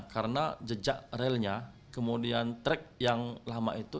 karena jejak relnya kemudian trek yang lama itu